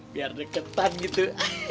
biar deketan gitu